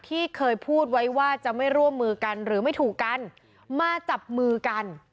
ที่เคยพูดไว้ว่าจะไม่ร่วมมือกันหรือไม่ถูกกันมาจับมือกัน